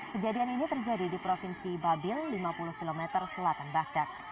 kejadian ini terjadi di provinsi babil lima puluh km selatan bahdak